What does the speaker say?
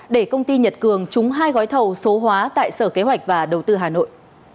để công ty nhật cường trúng hai gói thầu số hóa tại sở kế hoạch và đầu tư hà nội